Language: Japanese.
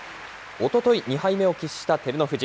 おととい、２敗目を喫した照ノ富士。